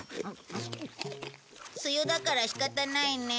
梅雨だから仕方ないね。